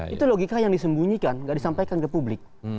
itu logika yang disembunyikan nggak disampaikan ke publik